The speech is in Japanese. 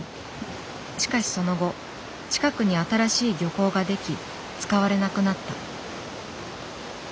しかしその後近くに新しい漁港ができ使われなくなった。